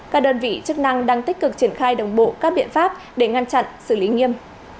các đơn vị chức năng đang tích cực triển khai đồng bộ các biện pháp để ngăn chặn xử lý nghiêm